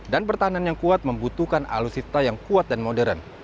dan pertahanan yang kuat membutuhkan alutsista yang kuat dan modern